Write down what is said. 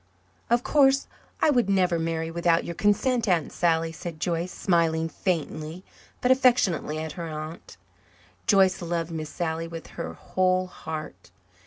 "Of course, I would never marry without your consent, Aunt Sally," said Joyce, smiling faintly but affectionately at her aunt. Joyce loved Miss Sally with her whole heart.